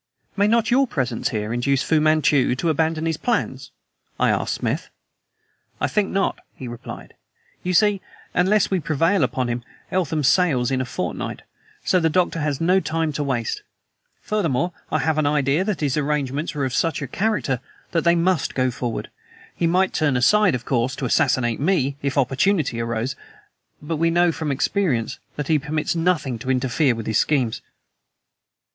"May not your presence here induce Fu Manchu to abandon his plans?" I asked Smith. "I think not," he replied. "You see, unless we can prevail upon him, Eltham sails in a fortnight. So the Doctor has no time to waste. Furthermore, I have an idea that his arrangements are of such a character that they MUST go forward. He might turn aside, of course, to assassinate me, if opportunity arose! But we know, from experience, that he permits nothing to interfere with his schemes."